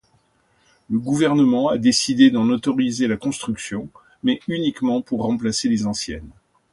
Le gouvernement a décidé d'en autoriser la construction, mais uniquement pour remplacer les anciennes.